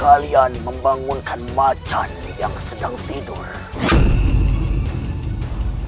dasar berampuk berampuk kampung